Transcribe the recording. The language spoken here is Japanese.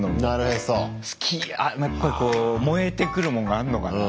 やっぱりこう燃えてくるもんがあんのかな？